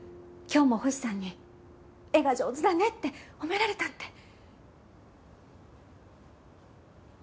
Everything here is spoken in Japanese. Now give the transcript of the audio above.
今日も星さんに絵が上手だねって褒められたって。